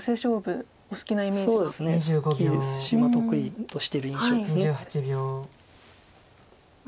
好きですし得意としてる印象です。